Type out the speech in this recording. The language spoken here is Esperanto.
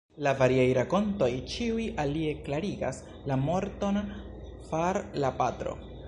La variaj rakontoj ĉiuj alie klarigas la morton far la patro.